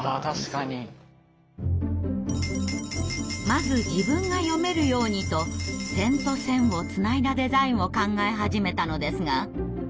「まず自分が読めるように」と点と線をつないだデザインを考え始めたのですが。